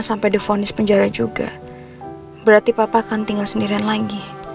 tadi pagi kan kamu sarapannya kurang